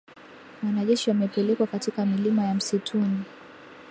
Wanajeshi wamepelekwa katika milima ya msituni